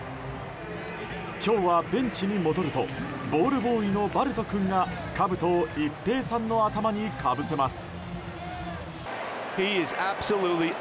今日はベンチに戻るとボールボーイのバルト君がかぶとを一平さんの頭にかぶせます。